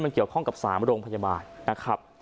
มันเกี่ยวข้องกับ๓โรงพยาบาลนะครับ